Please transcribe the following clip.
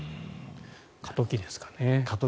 過渡期ですかね。